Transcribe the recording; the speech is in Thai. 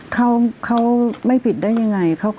เขาไม่ผิดได้ยังไง